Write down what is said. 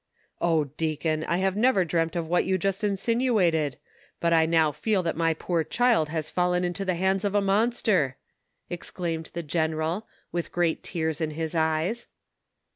"Oh, deacon! I have never dreamt of what you just insinuated ; but I now feel that my poor child has fallen into the hands of a monster !" exclaimed the general, with great tears in his eyes.